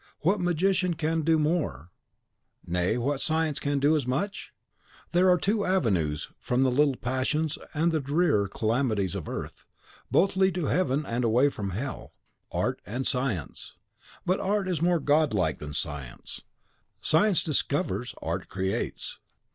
What magician can do more; nay, what science can do as much? There are two avenues from the little passions and the drear calamities of earth; both lead to heaven and away from hell, art and science. But art is more godlike than science; science discovers, art creates.